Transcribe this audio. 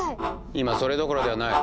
今それどころではない。